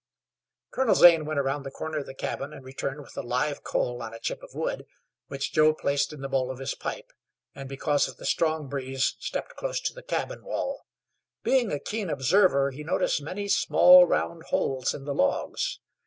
Colonel Zane went around the corner of the cabin and returned with a live coal on a chip of wood, which Joe placed in the bowl of his pipe, and because of the strong breeze stepped close to the cabin wall. Being a keen observer, he noticed many small, round holes in the logs.